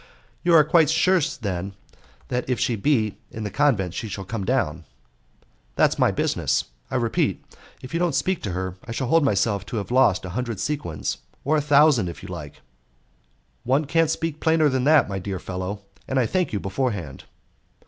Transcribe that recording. "You are quite sure, then, that if she be in the convent she will come down?" "That's my business. I repeat, if you don't speak to her, I shall hold myself to have lost a hundred sequins, or a thousand if you like." "One can't speak plainer than that, my dear fellow, and I thank you beforehand."